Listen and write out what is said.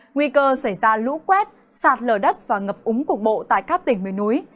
nguy cơ xảy ra lũ quét sạt lở đất và ngập úng cục bộ tại các tỉnh miền núi